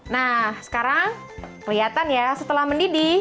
nah sekarang kelihatan ya setelah mendidih